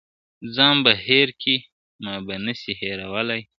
ځان به هېر کې ما به نه سې هېرولای `